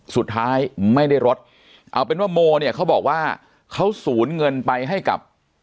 สุดท้ายไม่ได้ลดเอาเป็นว่าโมเนี่ยเขาบอกว่าเขาสูญเงินไปให้กับ